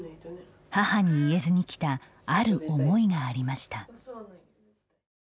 母に言えずにきたある思いがありました。